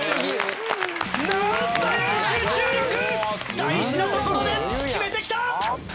「大事なところで決めてきた！」